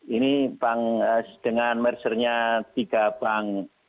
ini dengan merger nya tiga bank